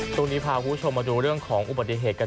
ช่วงนี้พาคุณผู้ชมมาดูเรื่องของอุบัติเหตุกัน